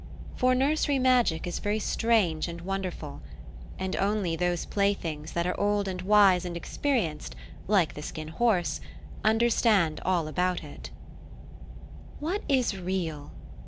For nursery magic is very strange and wonderful, and only those playthings that are old and wise and experienced like the Skin Horse understand all about it. "What is REAL?"